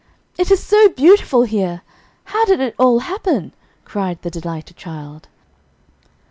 "It is so beautiful here! how did it all happen?" cried the delighted child.